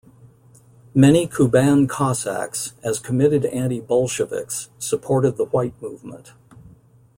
Many Kuban Cossacks, as committed anti-Bolsheviks, supported the White Movement.